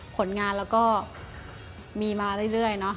ผลงานเราก็มีมาเรื่อยเนอะ